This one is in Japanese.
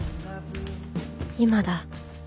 今だ